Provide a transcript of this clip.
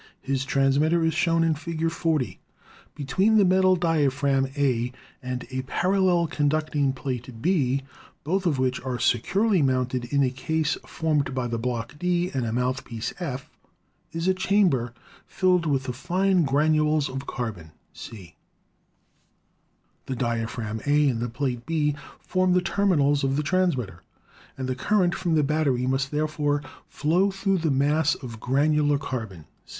His transmitter is shown in Fig. 40. Between the metal diaphragm, A, and a parallel conduct ing plate, B, both of which are securely mounted in a case formed by the block, D, and a mouthpiece, F, is a Fig. 40 — Hunntng's Granular Carbon Transmitter. (From Miller's American Telephone Practice.) chamber filled with fine granules of carbon, C. The dia phragm, A, and the plate, B, form the terminals of the transmitter, and the current from the battery must there fore flow through the mass of granular carbon, C.